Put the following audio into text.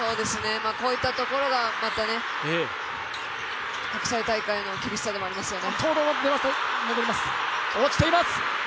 こういったところが国際大会の厳しさでもありますよね。